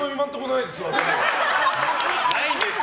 ないんですか？